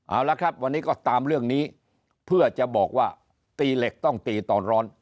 เอาละครับวันนี้ก็ตามเรื่องนี้เพื่อจะบอกว่าตีเหล็กต้องตีตอนร้อน